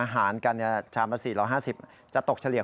อาหารประสิทธิ์ละ๕๐จะตกเฉลี่ย